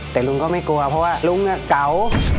แต่ลุงก็ไม่กลัวเพราะว่าลุงเก่า